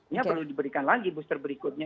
ini perlu diberikan lagi booster berikutnya